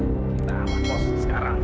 kita masuk sekarang